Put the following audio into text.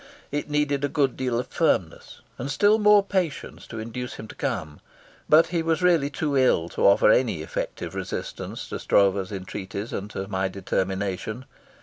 It needed a good deal of firmness and still more patience to induce him to come, but he was really too ill to offer any effective resistance to Stroeve's entreaties and to my determination.